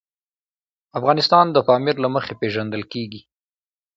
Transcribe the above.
افغانستان د پامیر له مخې پېژندل کېږي.